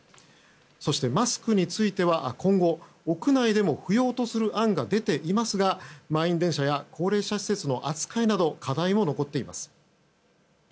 そしてマスクについては今後屋内でも不要とする案が出ていますが満員電車や高齢者施設の扱いなど課題も残っています。